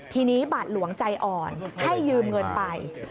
ทีนี้บาทหลวงใจอ่อนให้ยืมเงินไป